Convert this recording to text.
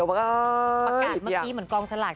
ประกาศเมื่อกี้เหมือนกองสลาก